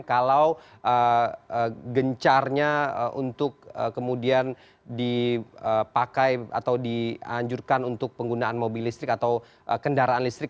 kalau gencarnya untuk kemudian dipakai atau dianjurkan untuk penggunaan mobil listrik atau kendaraan listrik